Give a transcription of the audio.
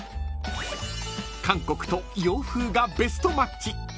［韓国と洋風がベストマッチ］